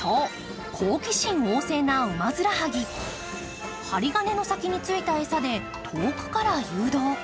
そう、好奇心旺盛なウマヅラハギ、針金の先についた餌で遠くから誘導。